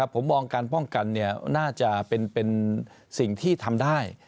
ผมมองการป้องกันน่าจะเป็นสิ่งที่ทำได้